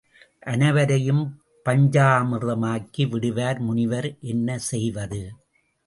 அனைவரையும் பஞ்சாமிர்தம் ஆக்கி விடுவார் முனிவர் என்ன செய்வது!